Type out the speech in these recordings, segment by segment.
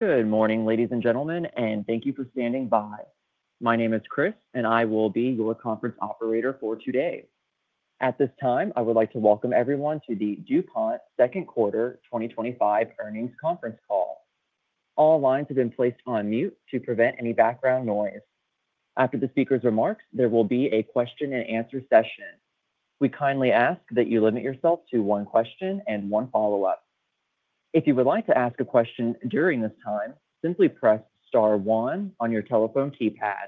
Good morning ladies and gentlemen and thank you for standing by. My name is Chris and I will be your conference operator for today. At this time I would like to welcome everyone to the DuPont second quarter 2025 earnings conference call. All lines have been placed on mute to prevent any background noise. After the speakers' remarks there will be a question and answer session. We kindly ask that you limit yourself to one question and one follow-up. If you would like to ask a question during this time, simply press star 1 on your telephone keypad.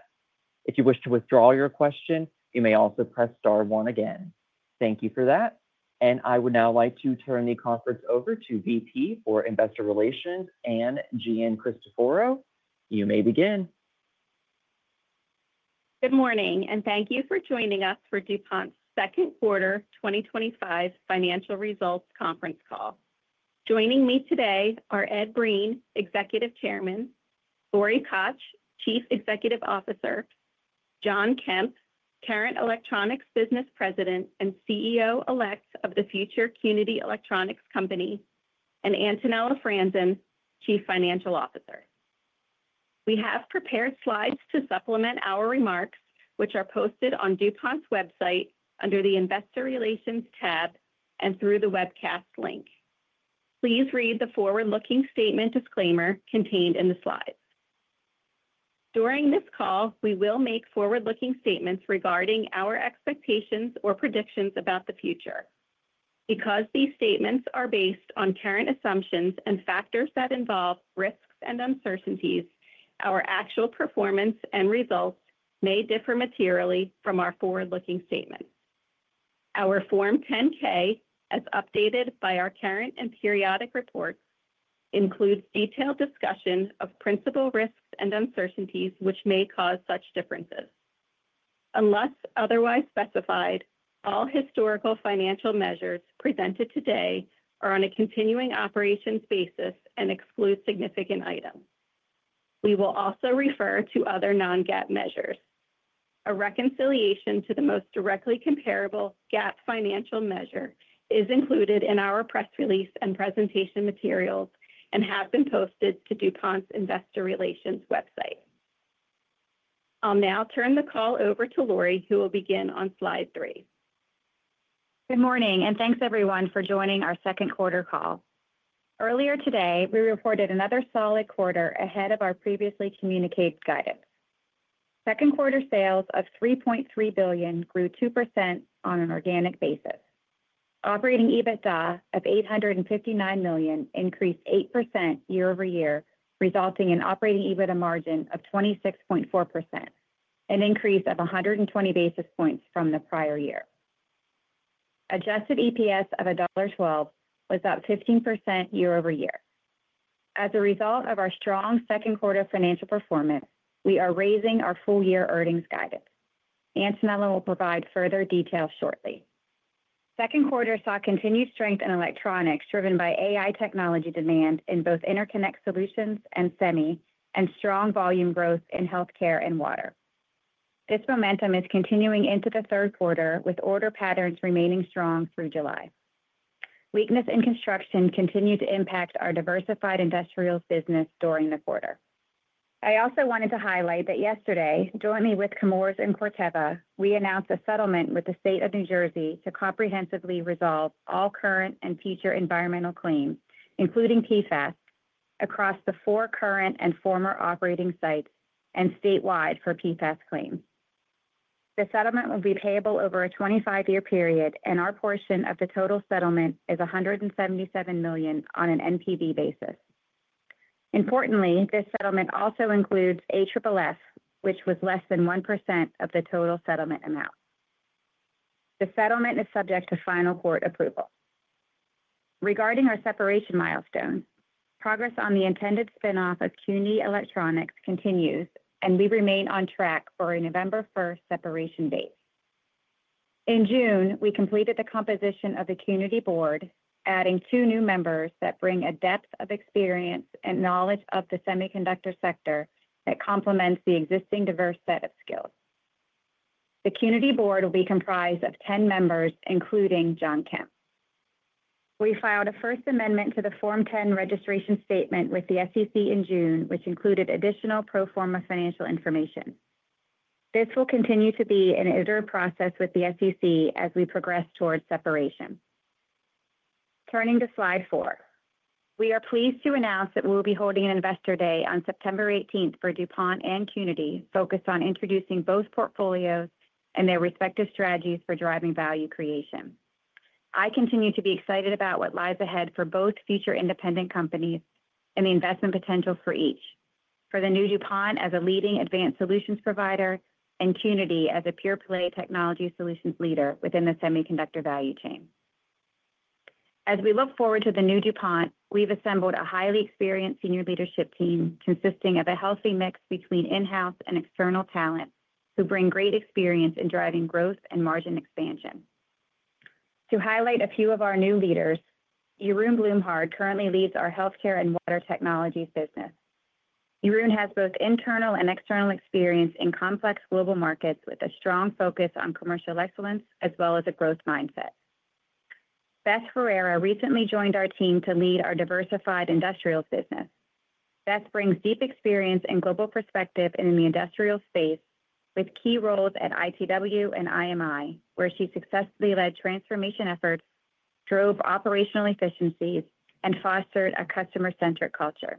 If you wish to withdraw your question, you may also press star 1 again. Thank you for that and I would now like to turn the conference over to VP for Investor Relations Ann Giancristoforo. You may begin. Good morning and thank you for joining us for DuPont's second quarter 2025 financial results conference call. Joining me today are Ed Breen, Executive Chairman, Lori Koch, Chief Executive Officer, John Kemp, current Electronics Business President and CEO-elect of the future Cunity Electronics Company, and Antonella Franzen, Chief Financial Officer. We have prepared slides to supplement our remarks, which are posted on DuPont's website under the Investor Relations tab and through the webcast link. Please read the forward-looking statement disclaimer contained in the slides. During this call, we will make forward-looking statements regarding our expectations or predictions about the future. Because these statements are based on current assumptions and factors that involve risks and uncertainties, our actual performance and results may differ materially from our forward-looking statements. Our Form 10-K, as updated by our current and periodic reports, includes detailed discussion of principal risks and uncertainties which may cause such differences. Unless otherwise specified, all historical financial measures presented today are on a continuing operations basis and exclude significant items. We will also refer to other non-GAAP measures. A reconciliation to the most directly comparable GAAP financial measure is included in our press release and presentation materials and has been posted to DuPont's investor relations website. I'll now turn the call over to. Lori will begin on Slide 3. Good morning and thanks everyone for joining our second quarter call. Earlier today we reported another solid quarter ahead of our previously communicated guidance. Second quarter sales of $3.3 billion grew 2% on an organic basis. Operating EBITDA of $859 million increased 8% year over year, resulting in operating EBITDA margin of 26.4%, an increase of 120 basis points from the prior year. Adjusted EPS of $1.12 was up 15% year-over-year. As a result of our strong second quarter financial performance, we are raising our full year earnings guidance. Antonella will provide further detail shortly. Second quarter saw continued strength in electronics driven by AI technology demand in both Interconnect Solutions and Semi and strong volume growth in Healthcare and Water. This momentum is continuing into the third quarter with order patterns remaining strong through July. Weakness in construction continued to impact our Diversified Industrials business during the quarter. I also wanted to highlight that yesterday, jointly with Chemours and Corteva, we announced a settlement with the State of New Jersey to comprehensively resolve all current and future environmental claims including PFAS across the four current and former operating sites and statewide for PFAS claims. The settlement will be payable over a 25-year period and our portion of the total settlement is $177 million on an NPV basis. Importantly, this settlement also includes AFFF, which was less than 1% of the total settlement amount. The settlement is subject to final court approval. Regarding our separation milestone, progress on the intended spinoff of Cunity Electronics continues and we remain on track for a November 1 separation date. In June we completed the composition of the Cunity Board, adding two new members that bring a depth of experience and knowledge of the semiconductor sector that complements the existing diverse set of skills. The Cunity Board will be comprised of 10 members including John Kemp. We filed a first amendment to the Form 10 registration statement with the SEC in June, which included additional pro forma financial information. This will continue to be an iterative process with the SEC as we progress towards separation. Turning to Slide 4, we are pleased to announce that we will be holding an Investor Day on September 18 for DuPont and Cunity, focused on introducing both portfolios and their respective strategies for driving value creation. I continue to be excited about what lies ahead for both future independent companies and the investment potential for each, for the new DuPont as a leading advanced solutions provider and Cunity as a pure play technology solutions leader within the semiconductor value chain. As we look forward to the new. DuPont, we've assembled a highly experienced senior leadership team consisting of a healthy mix between in-house and external talent who bring great experience in driving growth and margin expansion. To highlight a few of our new leaders, Jeroen Bloemhard currently leads our Healthcare & Water technologies business. Jeroen has both internal and external experience in complex global markets with a strong focus on commercial excellence as well as a growth mindset. Beth Ferreira recently joined our team to lead our Diversified Industrials business. Beth brings deep experience and global perspective in the industrial space with key roles at ITW and IMI where she successfully led transformation efforts, drove operational efficiencies, and fostered a customer-centric culture.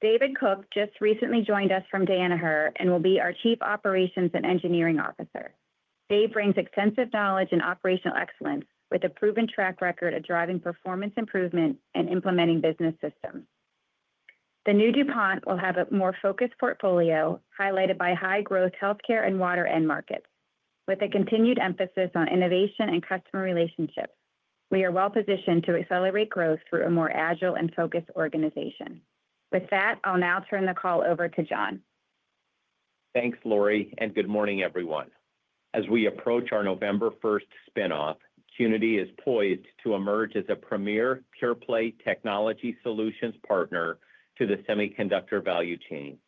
David Cook just recently joined us from Donatelle and will be our Chief Operations & Engineering Officer. Dave brings extensive knowledge and operational excellence with a proven track record of driving performance improvement and implementing business systems. The new DuPont will have a more focused portfolio highlighted by high-growth healthcare and water end markets, with a continued emphasis on innovation and customer relationships. We are well positioned to accelerate growth through a more agile and focused organization. With that, I'll now turn the call over to John. Thanks, Lori, and good morning, everyone. As we approach our November 1st spinoff, Cunity is poised to emerge as a premier pure-play technology solutions partner to the semiconductor value chain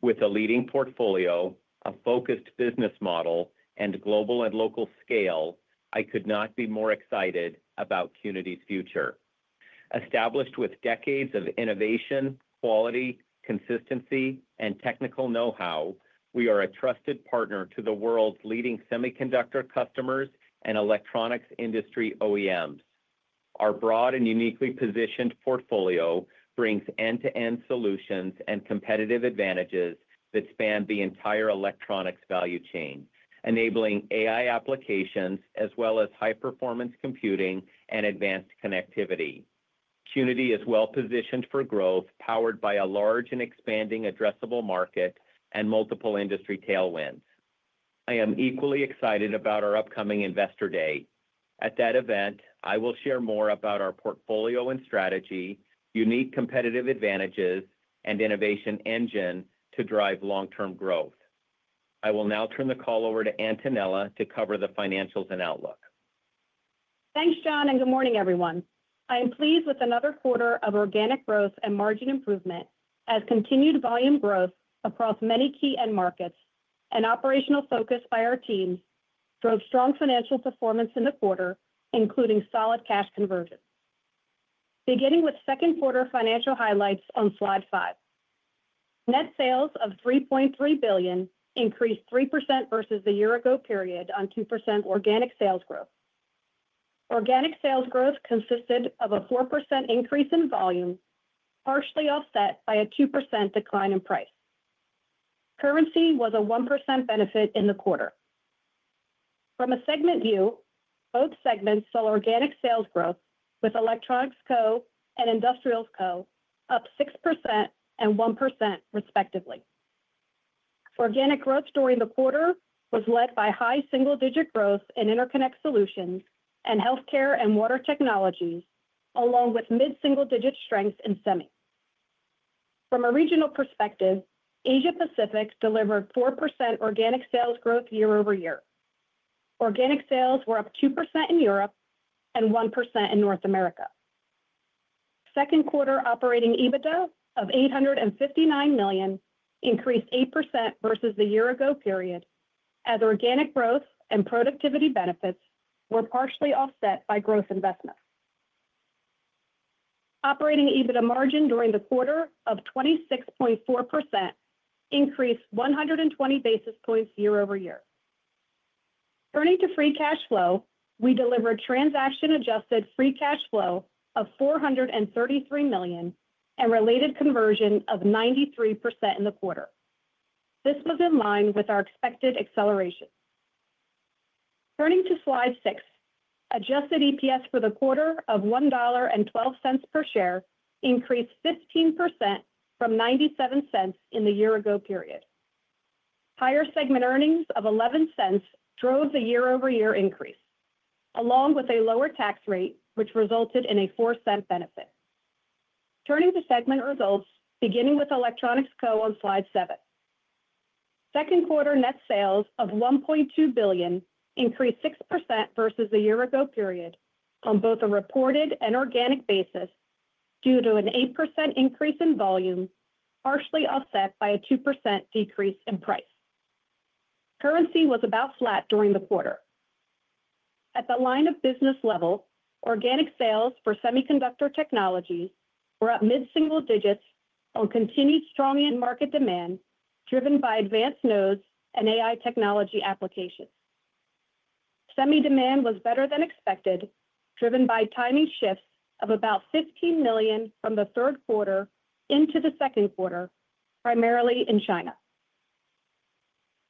with a leading portfolio, a focused business model, and global and local scale. I could not be more excited about Cunity's future. Established with decades of innovation, quality, and consistency. With technical know-how, we are a. Trusted partner to the world's leading semiconductor customers and electronics industry OEMs. Our broad and uniquely positioned portfolio brings end-to-end solutions and competitive advantages that span the entire electronics value chain, enabling AI applications as well as high-performance computing and advanced connectivity. Cunity is well positioned for growth, powered by a large and expanding addressable market. Multiple industry tailwinds. I am equally excited about our upcoming investor day. At that event, I will share more about our portfolio and strategy, unique competitive advantages, and innovation engine to drive long term growth. I will now turn the call over to Antonella to cover the financials and outlook. Thanks John and good morning everyone. I am pleased with another quarter of organic growth and margin improvement as continued volume growth across many key end markets and operational focus by our teams drove strong financial performance in the quarter, including solid cash conversion. Beginning with second quarter financial highlights on Slide 5, net sales of $3.3 billion increased 3% versus the year ago period on 2% organic sales growth. Organic sales growth consisted of a 4% increase in volume, partially offset by a 2% decline in price. Currency was a 1% benefit in the quarter. From a segment view, both segments saw organic sales growth, with electronics company and industrials company up 6% and 1%, respectively. Organic growth during the quarter was led by high single digit growth in interconnect solutions and healthcare and water technology, along with mid single digit strength in semi. From a regional perspective, Asia Pacific delivered 4% organic sales growth year over year. Organic sales were up 2% in Europe and 1% in North America. Second quarter operating EBITDA of $859 million increased 8% versus the year ago period as organic growth and productivity benefits were partially offset by growth investment. Operating EBITDA margin during the quarter of 26.4% increased 120 basis points year over year. Turning to free cash flow, we delivered transaction adjusted free cash flow of $433 million and related conversion of 93% in the quarter. This was in line with our expected acceleration. Turning to Slide 6, adjusted EPS for the quarter of $1.12 per share increased 15% from $0.97 in the year ago period. Higher segment earnings of $0.11 drove the year over year increase, along with a lower tax rate which resulted in a $0.04 benefit. Turning to segment results, beginning with electronics company on Slide 7, second quarter net sales of $1.2 billion increased 6% versus the year ago period on both a reported and organic basis due to an 8% increase in volume, partially offset by a 2% decrease in price. Currency was about flat during the quarter. At the line of business level, organic sales for semiconductor technologies were up mid single digits on continued strong end market demand driven by advanced nodes and AI technology applications. Semi demand was better than expected, driven by timing shifts of about $15 million from the third quarter into the second quarter, primarily in China.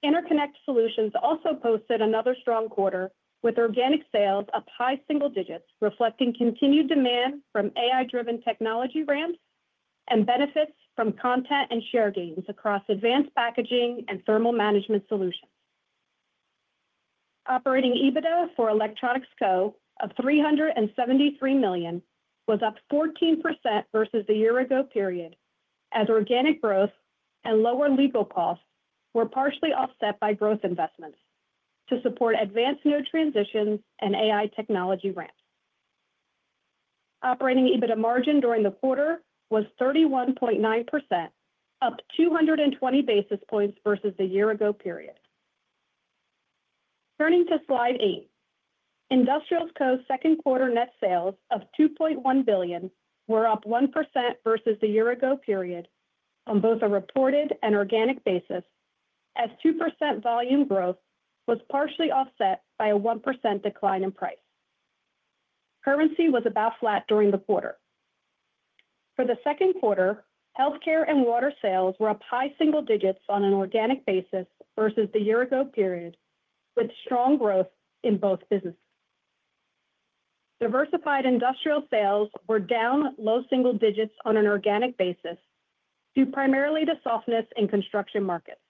Interconnect Solutions also posted another strong quarter with organic sales up high single digits, reflecting continued demand from AI-driven technology ramps and benefits from content and share gains across advanced packaging and thermal management solutions. Operating EBITDA for Electronics Company of $373 million was up 14% versus the year-ago period as organic growth and lower legal costs were partially offset by growth investment to support advanced NEO transitions and AI technology ramps. Operating EBITDA margin during the quarter was 31.9%, up 220 basis points versus the year-ago period. Turning to slide 8, Industrials Co second quarter net sales of $2.1 billion were up 1% versus the year-ago period on both a reported and organic basis as 2% volume growth was partially offset by a 1% decline in price. Currency was about flat during the quarter. For the second quarter, Healthcare & Water sales were up high single digits on an organic basis versus the year-ago period with strong growth in both businesses. Diversified Industrial sales were down low single digits on an organic basis due primarily to softness in construction markets.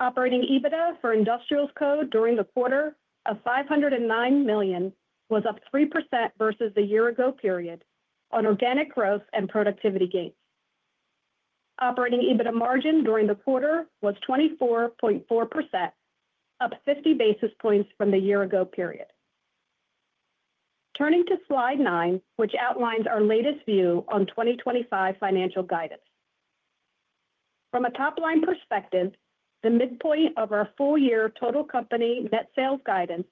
Operating EBITDA for Industrials Co during the quarter of $509 million was up 3% versus the year-ago period on organic growth and productivity gains. Operating EBITDA margin during the quarter was 24.4%, up 50 basis points from the year-ago period. Turning to slide 9, which outlines our latest view on 2025 financial guidance from a top-line perspective, the midpoint of our full year total company net sales guidance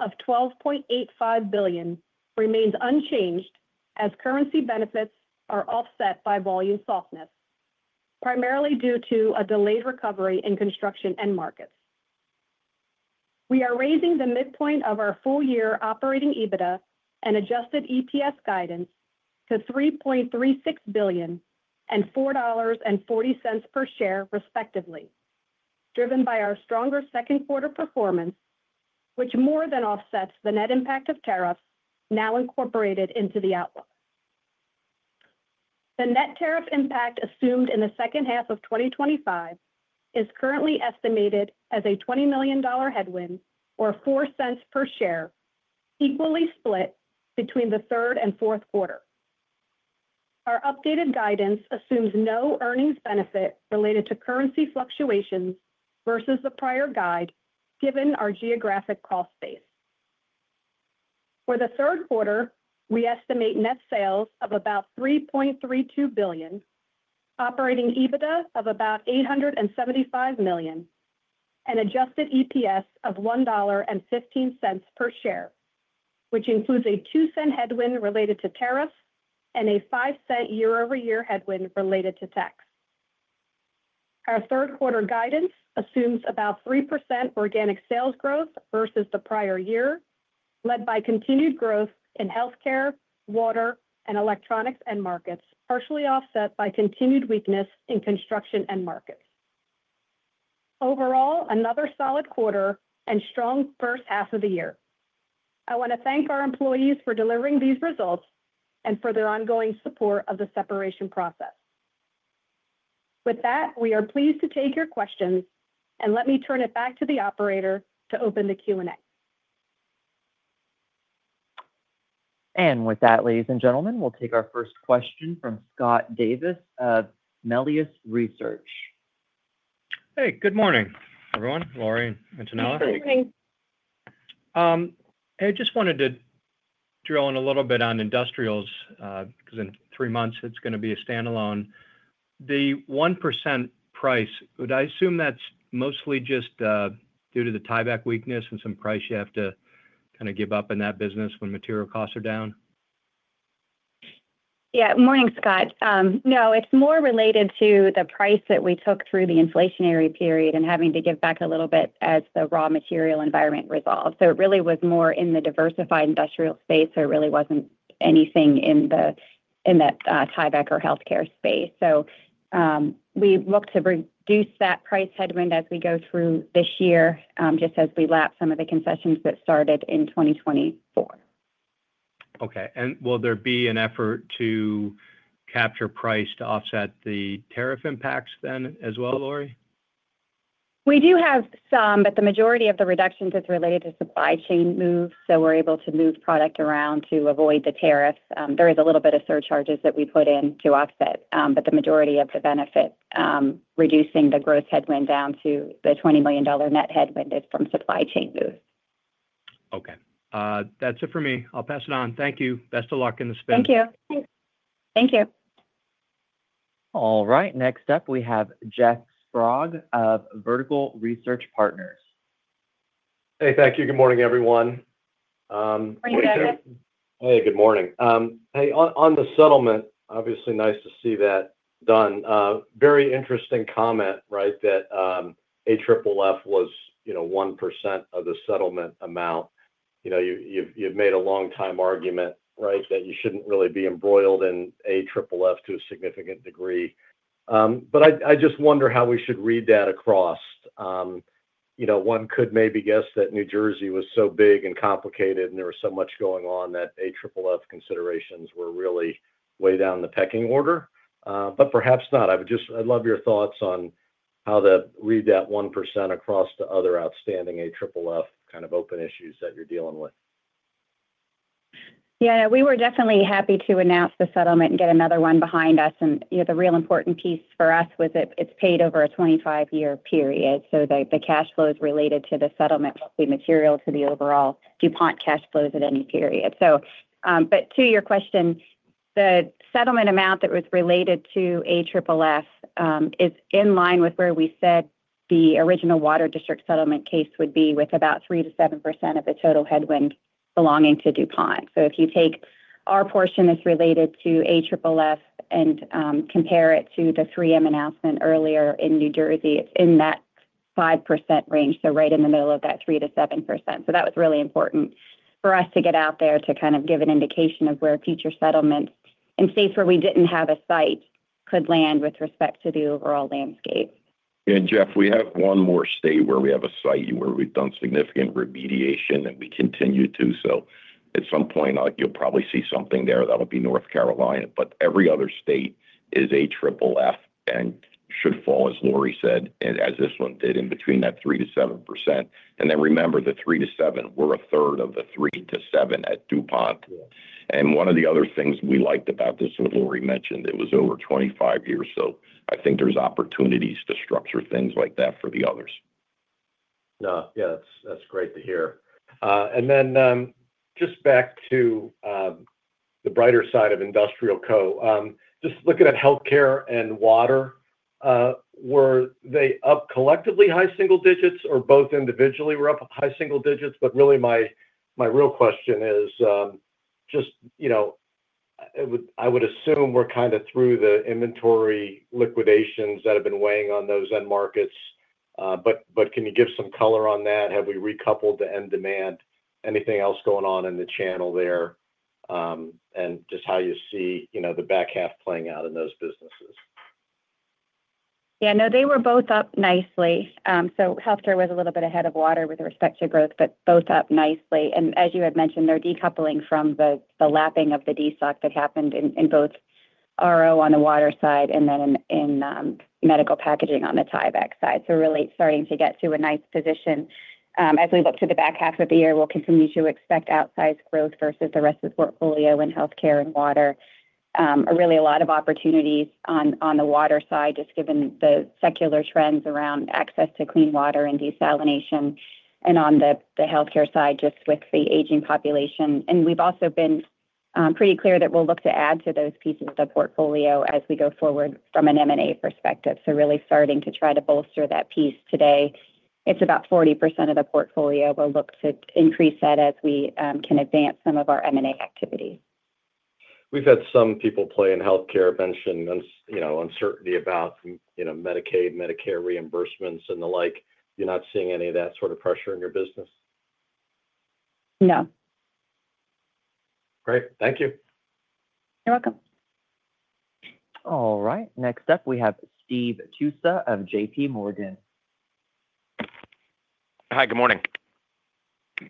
of $12.85 billion remains unchanged as currency benefits are offset by volume softness, primarily due to a delayed recovery in construction end markets. We are raising the midpoint of our full year operating EBITDA and adjusted EPS guidance to $3.36 billion and $4.40 per share, respectively, driven by our stronger second quarter performance, which more than offsets the net impact of tariffs now incorporated into the outlook. The net tariff impact assumed in the second half of 2025 is currently estimated as a $20 million headwind or $0.04 per share, equally split between the third and fourth quarter. Our updated guidance assumes no earnings benefit related to currency fluctuations versus the prior guide. Given our geographic cost base for the third quarter, we estimate net sales of about $3.32 billion, operating EBITDA of about $875 million, an adjusted EPS of $1.15 per share, which includes a $0.02 headwind related to tariffs and a $0.05 year over year headwind related to tax. Our third quarter guidance assumes about 3% organic sales growth versus the prior year, led by continued growth in healthcare, water, and electronics end markets, partially offset by continued weakness in construction end markets. Overall, another solid quarter and strong first half of the year. I want to thank our employees for delivering these results and for their ongoing support of the separation process. With that, we are pleased to take your questions and let me turn it back to the operator to open the Q&A. With that, ladies and gentlemen, we'll take our first question from Scott Davis of Melius Research. Hey, good morning everyone. Lori, Antonella, good morning. I just wanted to drill in a little bit on industrials because in three months it's going to be a standalone. The 1% price would. I assume that's mostly just due to the tieback weakness and some price you have to kind of give up in that business when material costs are down. Yeah. Morning, Scott. No, it's more related to the price that we took through the inflationary period and having to give back a little bit as the raw material environment resolved. It really was more in the diversified industrial space. There really wasn't anything in that Tyvek or healthcare space. We look to reduce that price headwind as we go through this year just as we lap some of the concessions that started in 2020. Okay, will there be an effort to capture price to offset the tariff impacts then as well? Lori? We do have some, but the majority of the reductions is related to supply chain move. We're able to move product around to avoid the tariffs. There is a little bit of surcharges that we put in to offset, but the majority of the benefit reducing the growth headwind down to the $20 million net headwind is from supply chain boost. Okay, that's it for me. I'll pass it on. Thank you. Best of luck in the space. Thank you. Thank you. All right, next up we have Jeff Sprague of Vertical Research Partners. Hey, thank you. Good morning, everyone. Hey, good morning. Hey. On the settlement, obviously nice to see that done. Very interesting comment, right, that AFFF was, you know, 1% of the settlement amount. You know, you've made a long time argument, right, that you shouldn't really be embroiled in AFFF to a significant degree. I just wonder how we should read that across. One could maybe guess that New Jersey was so big and complicated and there was so much going on that AFFF considerations were really way down the pecking order, but perhaps not. I would just love your thoughts on how to read that 1% across to other outstanding AFFF kind of open issues that you're dealing with. Yeah, we were definitely happy to announce the settlement and get another one behind us. You know, the real important piece for us was that it's paid over a 25 year period, so the cash flows related to the settlement won't be material to the overall DuPont cash flows at any period. To your question, the settlement amount that was related to AFFF is in line with where we said the original water district settlement case would be, with about 3%-7% of the total headwind belonging to DuPont. If you take our portion that's related to AFFF and compare it to the 3M announcement earlier in New Jersey, it's in that 5% range, right in the middle of that 3%-7%. That was really important for us to get out there to kind of give an indication of where future settlements in states where we didn't have a site could land with respect to the overall landscape. Jeff, we have one more state where we have a site where we've done significant remediation and we continue to. At some point you'll probably see something there that'll be North Carolina, but every other state is AFFF and should fall, as Lori said, as this one did, in between that 3%-7%. Remember the 3%-7%, we're a third of the 3%-7% at DuPont. One of the other things we liked about this, what Lori mentioned, it was over 25 years. I think there's opportunities to structure things like that for the others. That's great to hear. Just back to the brighter side of Industrials Co. Just looking at healthcare and water, were they up collectively high single digits or both individually were up high single digits? My real question is just, you know, I would assume we're kind of through the inventory liquidations that have been weighing on those end markets. Can you give some color on that? Have we recoupled the end demand? Anything else going on in the channel there and just how you see the back half playing out in those businesses? Yeah, no, they were both up nicely. Healthcare was a little bit ahead of water with respect to growth, but both up nicely. As you had mentioned, they're decoupling from the lapping of the destock that happened in both RO on the water side and then in medical packaging on the Tyvek side. Really starting to get to a nice position. As we look to the back half of the year, we'll continue to expect outsized growth versus the rest of the portfolio in healthcare and water. Really a lot of opportunities on the water side just given the secular trends around access to clean water and desalination, and on the healthcare side just with the aging population. We've also been pretty clear that we'll look to add to those pieces of the portfolio as we go forward from an M&A perspective. Really starting to try to bolster that piece. Today, it's about 40% of the portfolio. We'll look to increase that as we can advance some of our M&A activity. We've had some people play in healthcare, mention uncertainty about Medicaid, Medicare reimbursements, and the like. You're not seeing any of that sort of pressure in your business? No. Great. Thank you. You're welcome. All right, next up we have Steve Tusa of JPMorgan. Hi, good morning.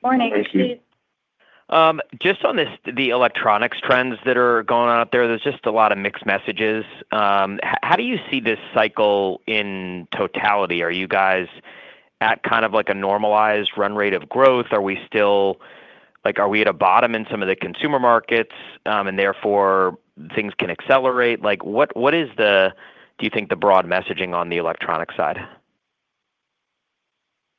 Morning. Just on this, the electronics trends that are going on out there, there's just a lot of mixed messages. How do you see this cycle in totality? Are you guys at kind of like a normalized run rate of growth? Are we still like, are we at a bottom in some of the consumer markets and therefore things can accelerate? What is the, do you think the broad messaging on the electronic side?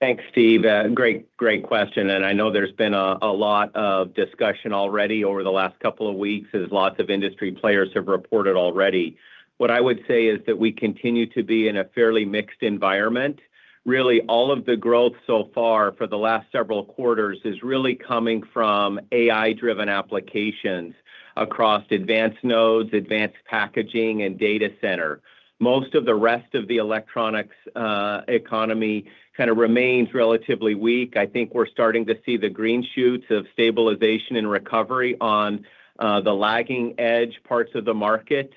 Thanks, Steve. Great question. I know there's been a lot of discussion already over the last couple of weeks, as lots of industry players have reported already. What I would say is that we continue to be in a fairly mixed environment. Really, all of the growth so far for the last several quarters is really coming from AI-driven applications across advanced nodes, advanced packaging, and data center. Most of the rest of the electronics economy remains relatively weak. I think we're starting to see the green shoots of stabilization and recovery on the lagging edge parts of the market.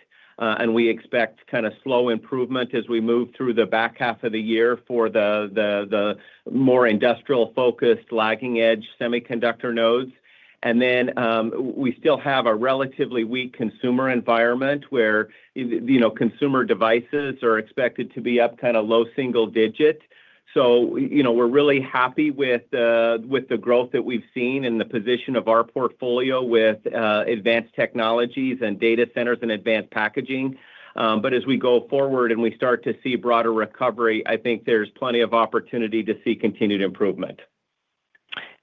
We expect slow improvement as we move through the back half of the year for the more industrial-focused, lagging edge semiconductor nodes. We still have a relatively weak consumer environment where consumer devices are expected to be up low single digit. We're really happy with the growth that we've seen in the position of our portfolio with advanced technologies and data centers and advanced packaging. As we go forward and we start to see broader recovery, I think there's plenty of opportunity to see continued. Improvement,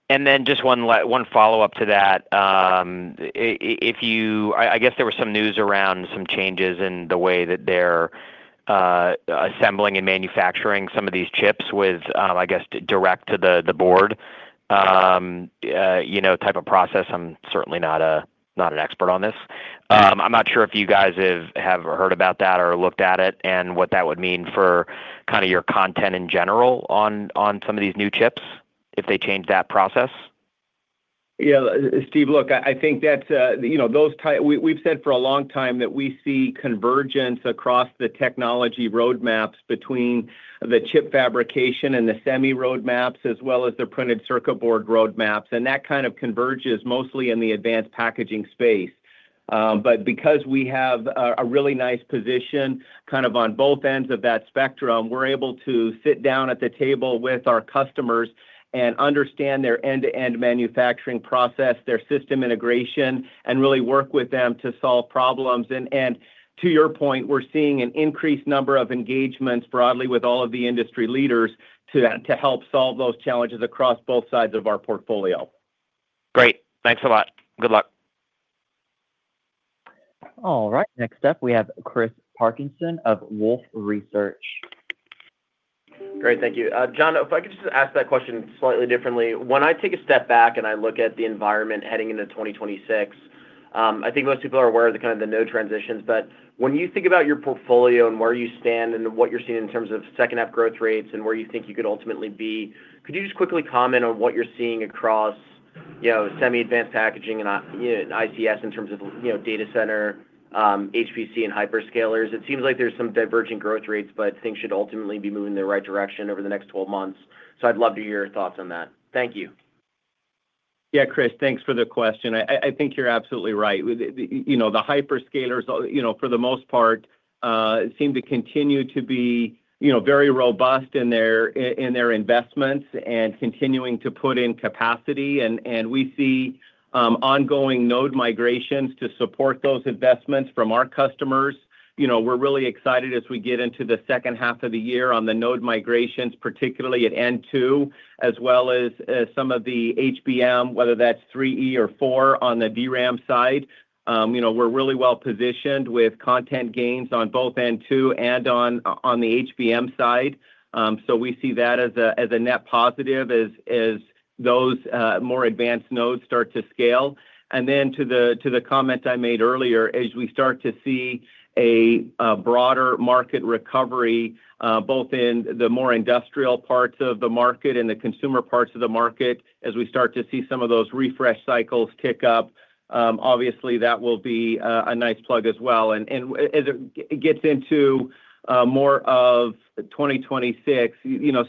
and then just one follow-up to that. If you, I guess there was some news around some changes in the way that they're assembling and manufacturing some of these chips with, I guess, direct to the board type of process. I'm certainly not an expert on this. I'm not sure if you guys have heard about that or looked at it and what that would mean for your content in general on some of these new chips if they change that process. Yeah, Steve, look, I think that you know, those type. We've said for a long time that we see convergence across the technology roadmaps between the chip fabrication and the semi roadmaps as well as the printed circuit board roadmaps. That kind of converges mostly in the advanced packaging space. Because we have a really nice position kind of on both ends of that spectrum, we're able to sit down at the table with our customers and understand their end-to-end manufacturing process, their system integration, and really work with them to solve problems. To your point, we're seeing an increased number of engagements broadly with all of the industry leaders to help solve those challenges across both sides of our portfolio. Great, thanks a lot. Good luck. All right, next up we have Chris Parkinson of Wolfe Research. Great, thank you, John. If I could just ask that question slightly differently when I take a step back and I look at the environment heading into 2026, I think most people are aware of the kind of the no transitions, but when you think about your portfolio and where you stand and what you're seeing in terms of second half growth rates and where you think you could ultimately be, could you just quickly comment on what you're seeing across semi advanced packaging and ICs in terms of data center, HPC and hyperscalers? It seems like there's some divergent growth rates, but things should ultimately be moving in the right direction over the next 12 months. I'd love to hear your thoughts on that. Thank you. Yeah, Chris, thanks for the question. I think you're absolutely right. The hyperscalers, for the most part, seem to continue to be very robust in their investments and continuing to put in capacity. We see ongoing node migrations to support those investments from our customers. We're really excited as we get into the second half of the year on the node migrations, particularly at N2 as well as some of the HBM, whether that's 3E or 4 on the DRAM side. We're really well positioned with content gains on both N2 and on the HBM side. We see that as a net positive as those more advanced nodes start to scale. To the comment I made earlier, as we start to see a broader market recovery, both in the more industrial parts of the market and the consumer parts of the market, as we start to see some of those refresh cycles tick up, obviously that will be a nice plug as well. As it gets into more of 2026,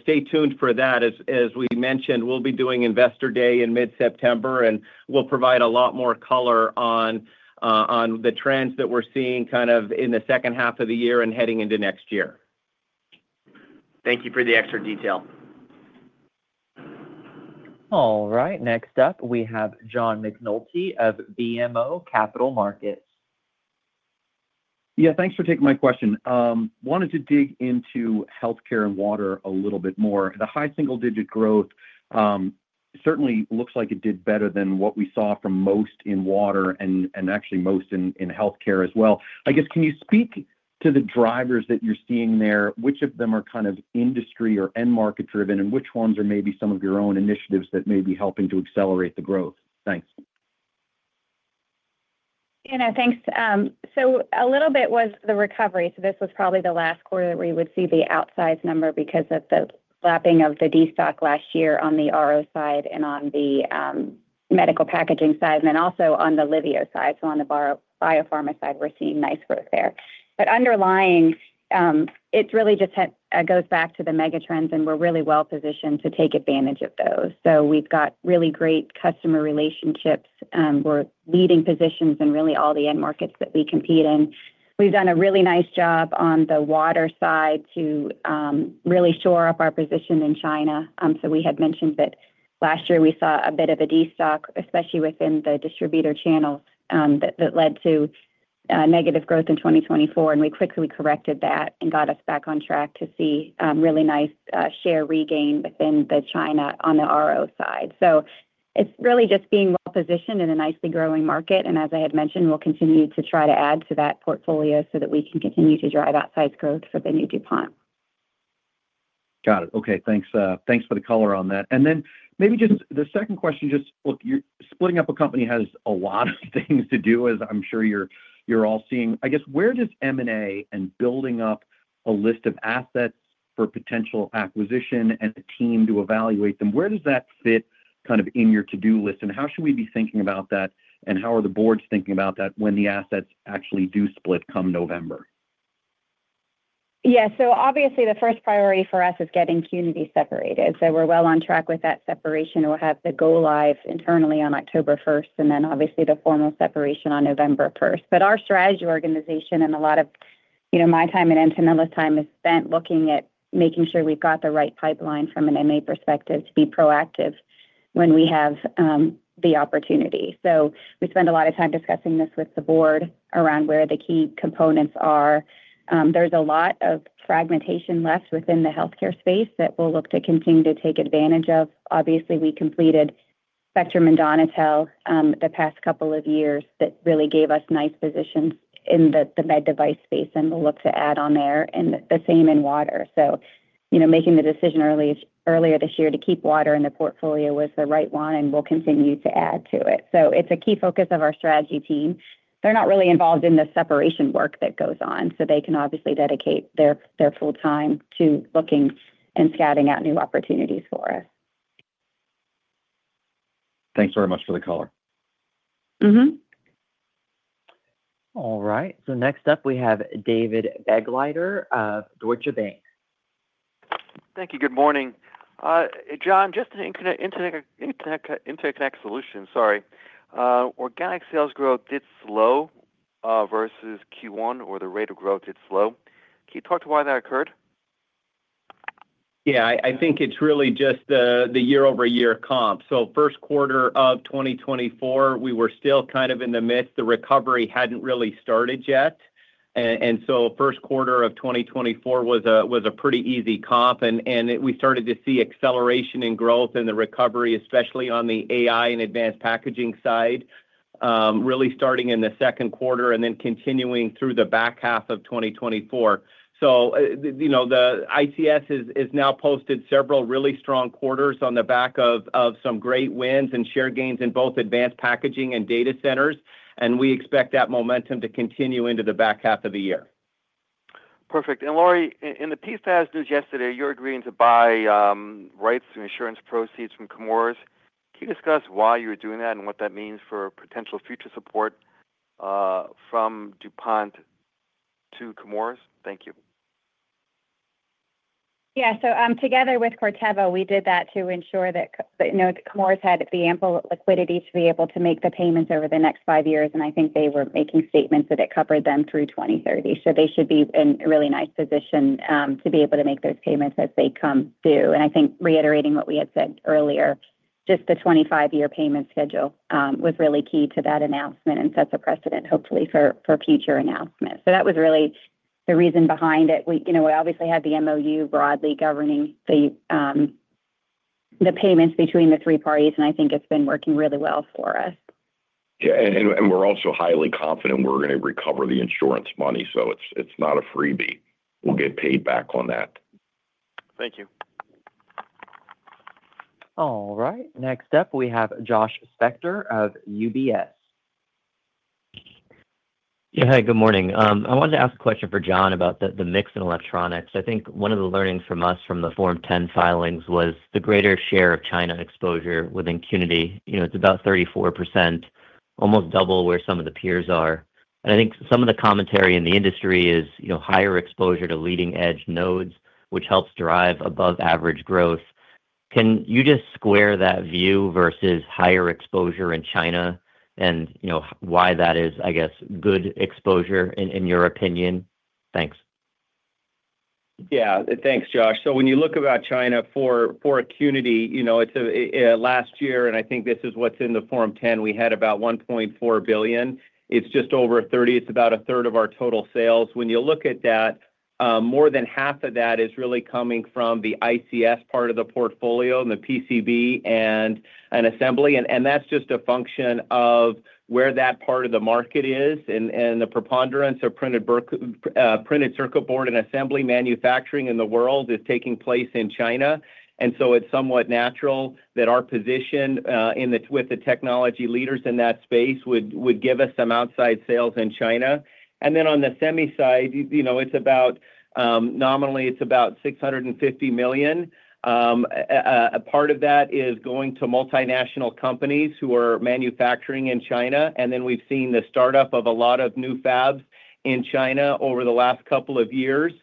stay tuned for that. As we mentioned, we'll be doing investor day in mid September and we'll provide a lot more color on the trends that we're seeing in the second half of the year. Heading into next year, thank you for the extra detail. All right, next up we have John McNulty of BMO Capital Markets. Yeah, thanks for taking my question. Wanted to dig into healthcare and water a little bit more. The high single digit growth certainly looks like it did better than what we saw from most in water and actually most in healthcare as well, I guess. Can you speak to the drivers that you're seeing there? Which of them are kind of industry or end market driven and which ones are maybe some of your own initiatives that may be helping to accelerate the growth? Thanks. Thanks. A little bit was the recovery. This was probably the last quarter that we would see the outsized number because of the lapping of the destock last year on the RO side, on the medical packaging side, and also on the Livio side. On the biopharma side, we're seeing nice growth there, but underlying it really just goes back to the megatrends, and we're really well positioned to take advantage of those. We've got really great customer relationships. We're leading positions in really all the end markets that we compete in. We've done a really nice job on the water side to really shore up our position in China. We had mentioned that last year we saw a bit of a destock, especially within the distributor channel, that led to negative growth in 2024. We quickly corrected that and got us back on track to see really nice share regain within China on the RO side. It's really just being well positioned in a nicely growing market. As I had mentioned, we'll continue to try to add to that portfolio so that we can continue to drive outsized growth for the new DuPont. Got it. Okay, thanks. Thanks for the color on that. Maybe just the second question. Just look, splitting up a company has a lot of things to do, as I'm sure you're. You're all seeing, I guess where does M&A and building up a. List of assets for potential acquisition and a team to evaluate them. Where does that fit kind of in your to do list? How should we be thinking about that and how are the boards thinking about that when the assets actually do split come November? Yeah. Obviously, the first priority for us is getting Cunity separated. We're well on track with that separation. We'll have the go live internally on October 1 and the formal separation on November 1. Our strategy, organization, and a lot of my time and Antonella's time is spent looking at making sure we've got the right pipeline from an M&A perspective to be proactive when we have the opportunity. We spend a lot of time discussing this with the board around where the key components are. There's a lot of fragmentation left within the healthcare space that we'll look to continue to take advantage of. We completed Spectrum and Donatelle the past couple of years. That really gave us nice positions in the med device space and we'll look to add on there and the same in water. Making the decision earlier this year to keep water in the portfolio was the right one and we'll continue to add to it. It's a key focus of our strategy team. They're not really involved in the separation work that goes on, so they can dedicate their full time to looking and scouting out new opportunities for us. Thanks very much for the call. Mm. All right, next up, we have David Begleiter of Deutsche Bank. Thank you. Good morning. John, just an Internet solution. Sorry, organic sales growth did slow versus Q1, or the rate of growth did slow. Can you talk to why that occurred? Yeah, I think it's really just the year-over-year comp. First quarter of 2024 we were still kind of in the midst. The recovery hadn't really started yet. First quarter of 2024 was a pretty easy comp, and we started to see acceleration in growth in the recovery, especially on the AI and advanced packaging side, really starting in the second quarter and then continuing through the back half of 2024. The ICS has now posted several really strong quarters on the back of some great wins and share gains in both advanced packaging and data centers. We expect that momentum to continue into the back half of the year. Perfect. Lori, in the piece that was news yesterday, you're agreeing to buy rights to insurance proceeds from Chemours. Can you discuss why you're doing that and what that means for potential future support from DuPont to Chemours? Thank you. Yeah, together with Corteva we did that to ensure that Chemours had the ample liquidity to be able to make the payments over the next five years. I think they were making statements that it covered them through 2030. They should be in a really nice position to be able to make those payments as they come due. I think reiterating what we had said earlier, just the 25-year payment schedule was really key to that announcement and sets a precedent, hopefully for future announcements. That was really the reason behind it. We obviously had the MoU broadly governing the payments between the three parties, and I think it's been working really well for us. We're also highly confident we're going to recover the insurance money. It's not a freebie. We'll get paid back on that. Thank you. All right, next up we have Josh Spector of UBS. Hi, good morning. I wanted to ask a question for John about the mix in electronics. I think one of the learnings from us from the Form 10 filings was the greater share of China exposure within Cunity. You know, it's about 34%, almost double where some of the peers are. I think some of the commentary in the industry is higher exposure to leading edge nodes which helps drive above average growth. Can you just square that view versus higher exposure in China, and you know why that is? I guess good exposure in your opinion? Thanks. Yeah, thanks. Josh, so when you look at China for Cunity, you know, it's last year and I think this is what's in the Form 10. We had about $1.4 billion. It's just over 30%. It's about a third of our total sales. When you look at that, more than half of that is really coming from the ICS part of the portfolio and the PCB and assembly. That's just a function of where that part of the market is, and the preponderance of printed circuit board and assembly manufacturing in the world is taking place in China. It's somewhat natural that our position with the technology leaders in that space would give us some outside sales in China. On the semi side, it's about, nominally it's about $650 million. A part of that is going to multinational companies who are manufacturing in China. We've seen the startup of a lot of new fabs in China over the last couple of years.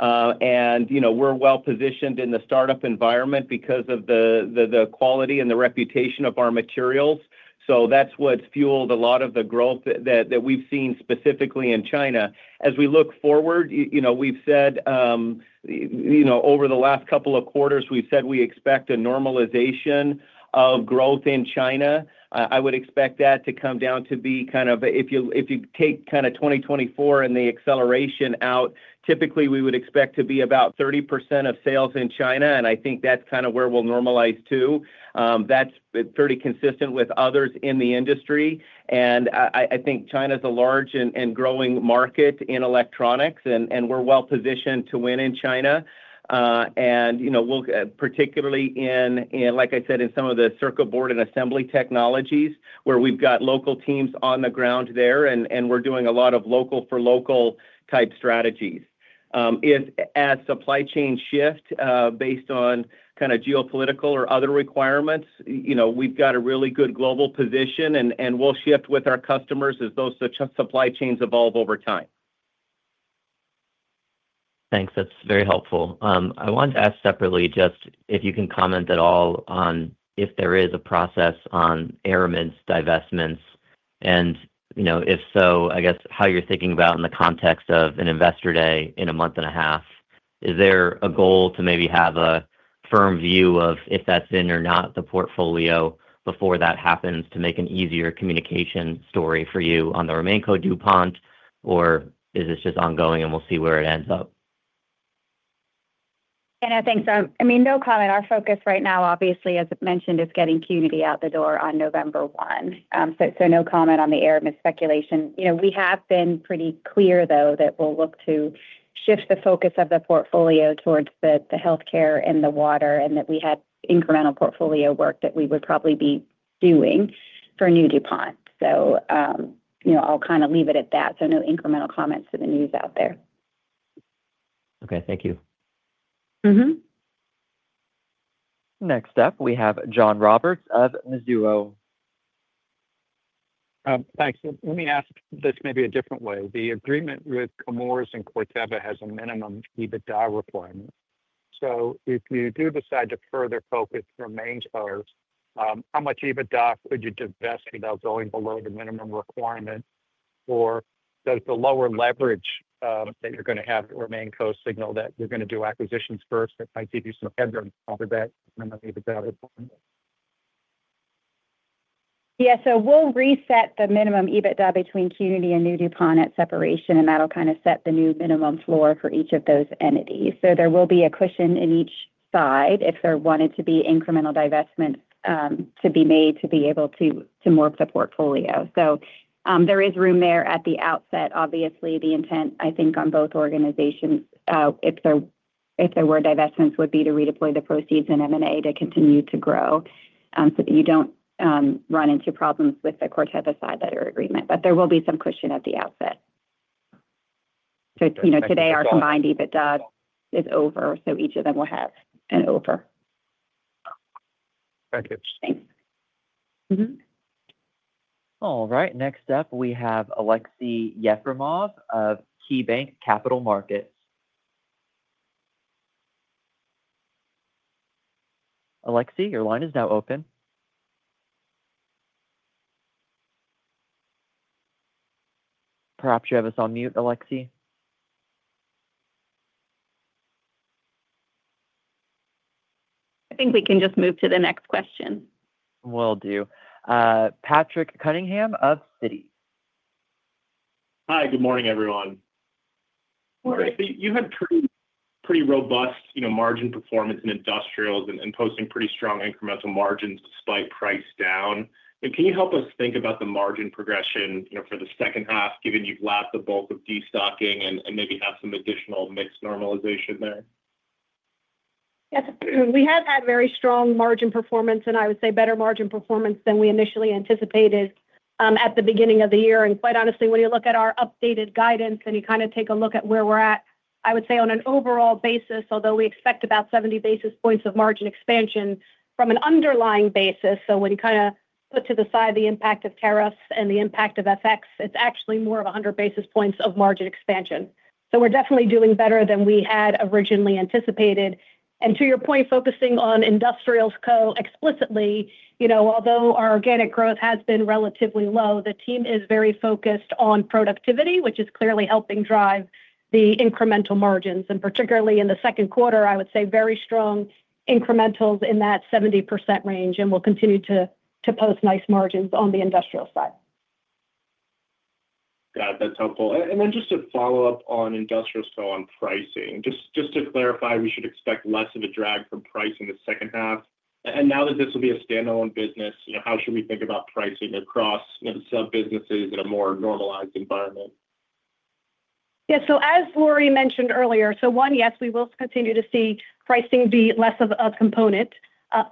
We're well positioned in the startup environment because of the quality and the reputation of our materials. That's what fueled a lot of the growth that we've seen specifically in China as we look forward. Over the last couple of quarters, we've said we expect a normalization of growth in China. I would expect that to come down to be kind of, if you take kind of 2024 and the acceleration out, typically we would expect to be about 30% of sales in China. I think that's kind of where we'll normalize to. That's pretty consistent with others in the industry. I think China is a large and growing market in electronics, and we're well positioned to win in China, particularly in, like I said, some of the circuit board and assembly technologies where we've got local teams on the ground there and we're doing a lot of local-for-local type strategies as supply chains shift based on geopolitical or other requirements. We've got a really good global position and we'll shift with our customers as those supply chains evolve over time. Thanks, that's very helpful. I wanted to ask separately just if you can comment at all on if there is a process on aramids divestments and you know, if so I guess how you're thinking about in the context of an investor day in a month and a half. Is there a goal to maybe have a firm view of if that's in or not the portfolio before that happens to make an easier communication story for you on the DuPont, or is this just ongoing and we'll see where it ends up? I think so. No comment. Our focus right now, obviously, as mentioned, is getting Cunity out the door on November 1. No comment on the Aramids speculation. We have been pretty clear, though, that we'll look to shift the focus of the portfolio towards health care and water, and that we had incremental portfolio work that we would probably be doing for new DuPont. I'll kind of leave it at that. No incremental comments to the news out there. Okay, thank you. Mm. Next up, we have John Roberts of Mizuho. Thanks. Let me ask this, maybe a different way. The agreement with Chemours and Corteva has a minimum EBITDA requirement. If you do decide to further focus your main cost, how much EBITDA could you divest without going below the minimum requirement? Does the lower leverage that you're going to have remain cost signal that you're going to do acquisitions first? That might give you some EBITDA? Yeah. We'll reset the minimum EBITDA between Cunity and new DuPont at separation, and that'll kind of set the new minimum floor for each of those entities. There will be a cushion in each if there wanted to be incremental divestment to be made to be able to morph the portfolio. There is room there at the outset. Obviously, the intent, I think, on both organizations, if there were divestments, would be to redeploy the proceeds in M&A to continue to grow so that you don't run into problems with the Corteva side letter agreement. There will be some cushion at the outset. Today our combined EBITDA is over. Each of them will have an over. Thank you. All right, next up, we have Alexei Yakimov of KeyBanc Capital Markets. Alexei, your line is now open. Perhaps you have us on mute, Alexei. I think we can just move to the next question. Will do. Patrick Cunningham of Citi. Hi. Good morning, everyone. You had a pretty robust margin performance in Industrials and posting pretty strong incremental margins despite price down. Can you help us think about the margin progression for the second half, given you've lapped the bulk of destocking and maybe have some additional mix normalization there? We have had very strong margin performance, and I would say better margin performance than we initially anticipated at the beginning of the year. Quite honestly, when you look at our updated guidance and you kind of take a look at where we're at, I would say on an overall basis, although we expect about 70 basis points of margin expansion from an underlying basis. When you kind of put to the side the impact of tariffs and the impact of FX, it's actually more of 100 basis points of margin expansion. We're definitely doing better than we had originally anticipated. To your point, focusing on Industrials explicitly, although our organic growth has been relatively low, the team is very focused on productivity, which is clearly helping drive the incremental margins. Particularly in the second quarter, I would say very strong incrementals in that 70% range and will continue to post nice margins on the industrial side. That's helpful. Just to follow up on industrials, on pricing, just to clarify, we should expect less of a drag from price in the second half. Now that this will be a standalone business, how should we think about pricing across some businesses in a more normalized environment? Yes, as Lori mentioned earlier, we will continue to see pricing be less of a component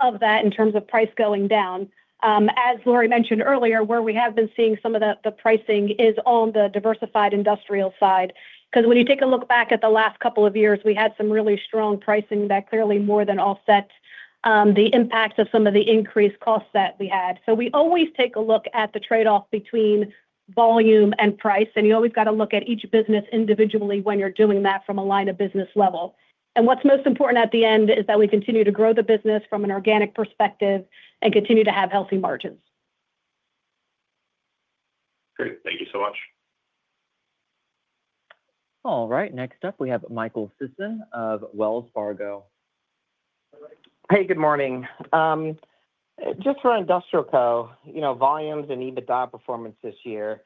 of that in terms of price going down. As Lori mentioned earlier, where we have been seeing some of the pricing is on the diversified industrial side. When you take a look back at the last couple of years, we had some really strong pricing that clearly more than offset the impact of some of the increased costs that we had. We always take a look at the trade-off between volume and price. You always have to look at each business individually when you're doing that from a line of business level. What's most important at the end is that we continue to grow the business from an organic perspective and continue to have healthy margins. Great, thank you so much. All right, next up we have Michael Sisson of Wells Fargo. Hey, good morning. Just for Industrials Co, you know, volumes and EBITDA performance this year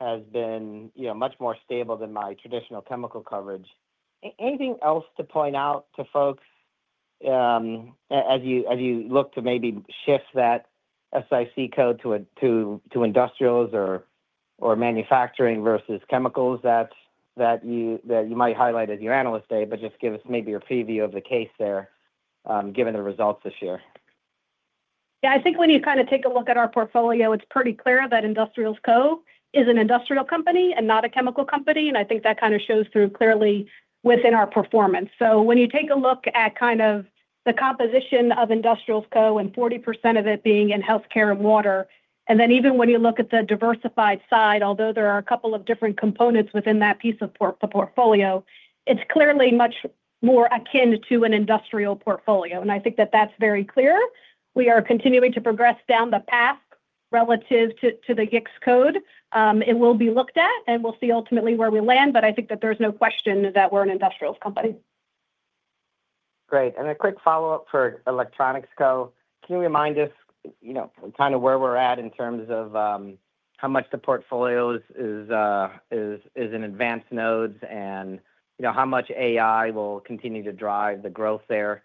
has been much more stable than my traditional chemical coverage. Anything else to point out to folks as you look to maybe shift that SIC code to industrials or manufacturing versus chemicals that you might highlight at your analyst day? Just give us maybe a preview of the case there, given the results this year. Yeah, I think when you kind of take a look at our portfolio, it's pretty clear that Industrials company is an industrial company and not a chemical company. I think that kind of shows through clearly within our performance. When you take a look at kind of the composition of Industrials Co and 40% of it being in health care and water, even when you look at the diversified side, although there are a couple of different components within that piece of the portfolio, it's clearly much more akin to an industrial portfolio. I think that that's very clear. We are continuing to progress down the path relative to the GICS code. It will be looked at and we'll see ultimately where we land. I think that there's no question that we're an industrials company. Great. A quick follow up for Electronics Co. Can you remind us, you know, kind of where we're at in terms of how much the portfolio is in advanced nodes and how much AI will continue to drive the growth there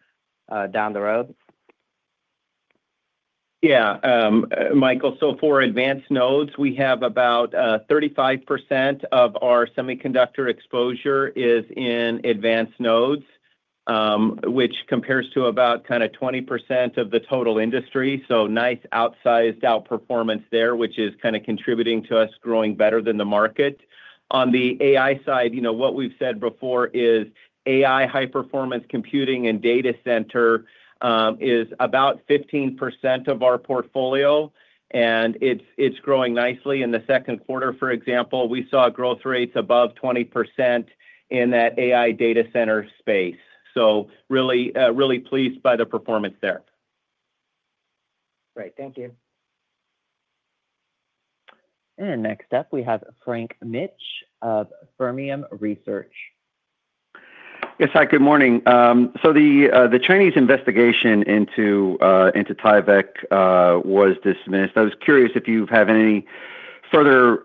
down the road? Yeah, Michael, for advanced nodes we have about 35% of our semiconductor exposure in advanced nodes, which compares to about 20% of the total industry. Nice outsized outperformance there, which is contributing to us growing better than the market. On the AI side, what we've said before is AI, high-performance computing, and data center is about 15% of our portfolio and it's growing nicely. In the second quarter, for example, we saw growth rates above 20% in that AI data center space. Really, really pleased by the performance there. Great, thank you. Next up we have Frank Mitsch of Fermium Research. Yes, hi, good morning. The Chinese investigation into Tyvek was dismissed. I was curious if you have any. Further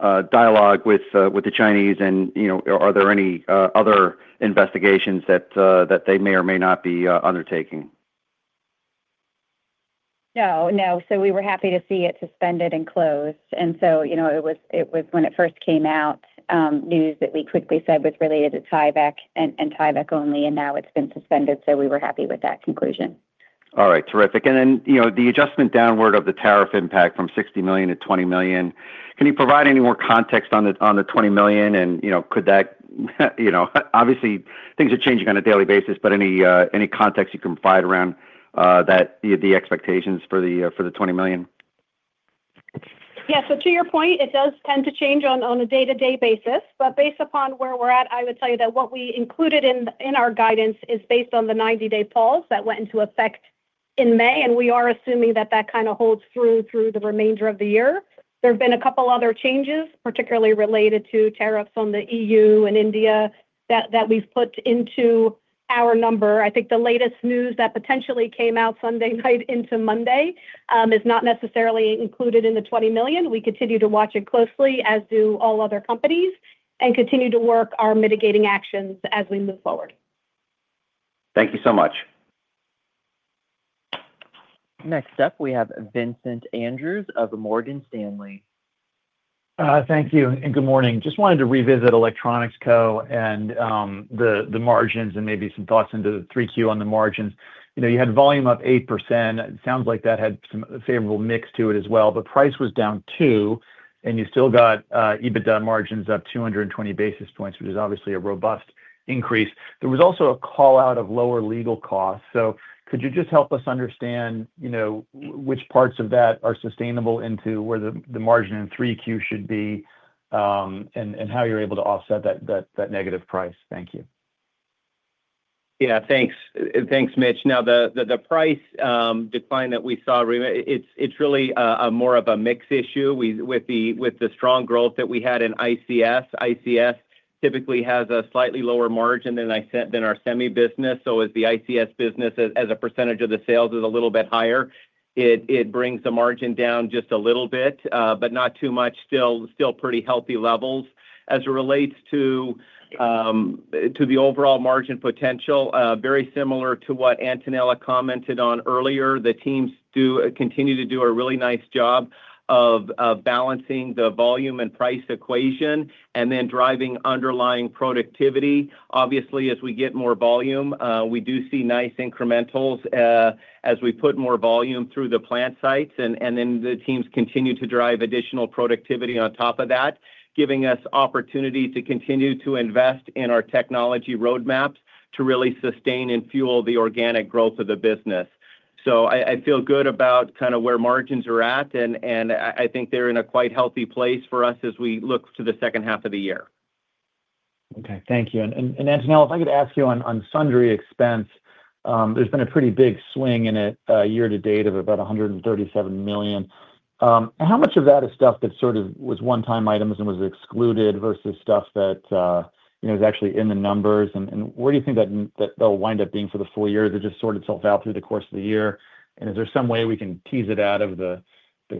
dialogue with the Chinese. You know, are there any other investigations? That they may or may not be undertaking? No, no. We were happy to see it suspended and closed. It was, when it first came out, news that we quickly said was related to Tyvek and Tyvek only, and now it's been suspended. We were happy with that conclusion. All right, terrific. The adjustment downward of the tariff impact from $60 million-$20 million. Can you provide any more context on the $20 million? Could that, you know. Obviously, things are changing on a daily basis. Basis, any context you can provide around that, the expectations for the. For the $20 million. Yeah, to your point, it does tend to change on a day-to-day basis, but based upon where we're at, I would tell you that what we included in our guidance is based on the 90-day pause that went into effect in May, and we are assuming that that kind of holds through the remainder of the year. There have been a couple other changes, particularly related to tariffs on the EU and India, that we've put into our number. I think the latest news that potentially came out Sunday night into Monday is not necessarily included in the $20 million. We continue to watch it closely, as do all other companies, and continue to work our mitigating actions as we move forward. Thank you so much. Next up we have Vincent Andrews of Morgan Stanley. Thank you and good morning. Just wanted to revisit electronics company and the margins and maybe some thoughts. Into the 3Q on the margins, you know you had volume up 8%. It sounds like that had some favorable mix to it as well. Price was down 2% and you still got EBITDA margins up 220 basis points, which is obviously a robust increase. There was also a call out of lower legal costs. Could you just help us understand which parts of that are sustainable into where the margin in 3Q should be and how you're able to offset that negative price. Thank you. Yeah, thanks. Thanks, Mitch. The price decline that we saw, Rema, it's really more of a mix issue with the strong growth that we had in ICS. ICS typically has a slightly lower margin than our semi business. As the ICS business as a percentage of the sales is a little bit higher, it brings the margin down just a little bit, but not too much. Still pretty healthy levels as it relates to the overall margin potential. Very similar to what Antonella Franzen commented on earlier. The teams do continue to do a really nice job of balancing the volume and price equation and then driving underlying productivity. Obviously as we get more volume, we do see nice incrementals as we put more volume through the plant sites. The teams continue to drive additional productivity on top of that, giving us opportunity to continue to invest in our technology roadmap to really sustain and fuel the organic growth of the business. I feel good about kind of where margins are at and I think they're in a quite healthy place for us as we look to the second. Half of the year. Okay, thank you. Antonella, if I could ask you on sundry expense, there's been a pretty big swing in it year to date of about $137 million. How much of that is stuff that sort of was one-time items and was excluded versus stuff that is actually in the numbers, and where do you think that they'll wind up being for the full year? Does that just sort itself out through the course of the year? Is there some way we can tease it out of the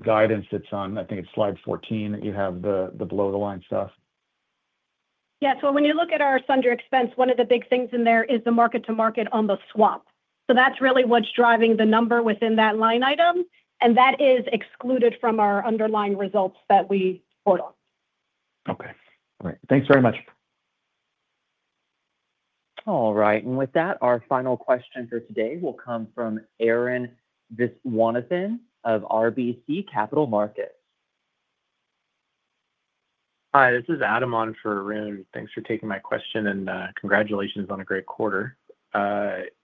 guidance that's on, I think it's slide 14 that you have the below the line stuff? Yes. When you look at our sundry expense, one of the big things in there is the mark to market on the swap. That's really what's driving the number within that line item, and that is excluded from our underlying results that we quote on. Okay. All right, thanks very much. All right. With that, our final question for today will come from Aaron Viswanathan of RBC Capital Markets. Hi, this is Adam on for Aaron. Thanks for taking my question and congratulations on a great quarter.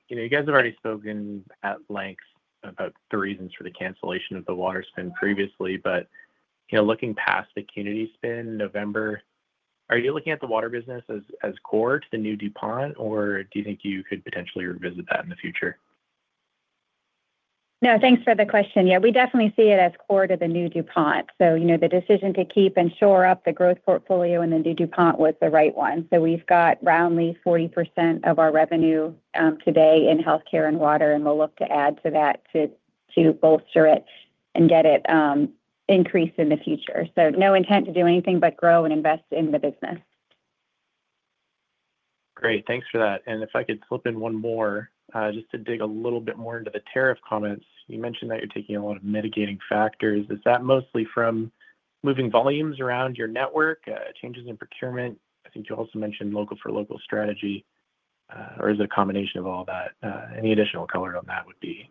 You know, you guys have already spoken at length about the reasons for the cancellation of the water spin previously. You know, looking past the Cunity spin in November, are you looking at the water business as core to the new DuPont or do you think you could potentially revisit that in the future? Thanks for the question. Yeah, we definitely see it as core to the new DuPont. The decision to keep and shore up the growth portfolio in the new DuPont was the right one. We've got roundly 40% of our revenue today in healthcare and water and we'll look to add to that to bolster it and get it increase in the future. No intent to do anything but grow and invest in the business. Great, thanks for that. If I could flip in one more just to dig a little bit more into the tariff comments, you mentioned that you're taking a lot of mitigating factors. Is that mostly from moving volumes around your network, changes in procurement? I think you also mentioned local for local strategy, or is it a combination of all that? Any additional color on that would be.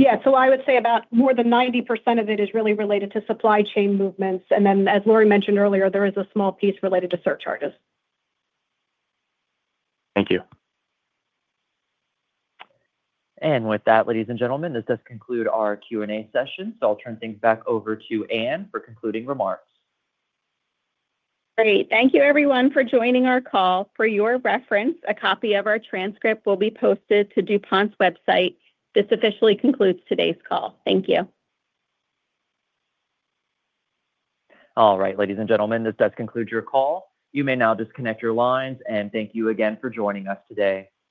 Yeah, I would say about more than 90% of it is really related to supply chain movements. As Lori mentioned earlier, there is a small piece related to surcharges. Thank you. With that, ladies and gentlemen, this does conclude our Q&A session. I'll turn things back over to Ann for concluding remarks. Great. Thank you everyone for joining our call. For your reference, a copy of our transcript will be posted to DuPont's website. This officially concludes today's call. Thank you. All right, ladies and gentlemen, this does conclude your call. You may now disconnect your lines. Thank you again for joining us today.